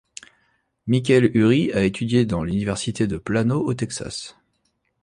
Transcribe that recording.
Michael Urie a étudié dans l'université de Plano au Texas.